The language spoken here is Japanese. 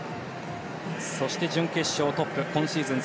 そして、準決勝トップ今シーズン